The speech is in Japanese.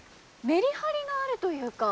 メリハリがあるというか。